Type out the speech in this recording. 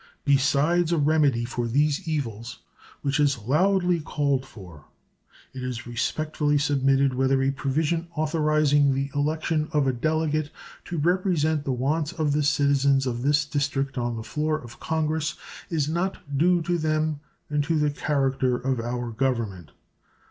Besides a remedy for these evils, which is loudly called for, it is respectfully submitted whether a provision authorizing the election of a delegate to represent the wants of the citizens of this District on the floor of Congress is not due to them and to the character of our Government.